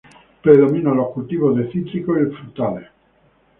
Predominan los cultivos de cítricos y frutales.